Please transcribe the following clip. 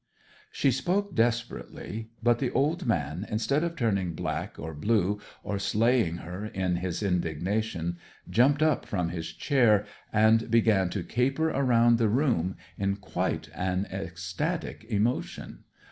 She spoke desperately. But the old man, instead of turning black or blue, or slaying her in his indignation, jumped up from his chair, and began to caper around the room in quite an ecstatic emotion.